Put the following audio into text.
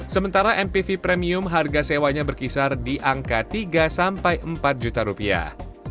sementara mpv premium harga sewanya berkisar di angka tiga sampai empat juta rupiah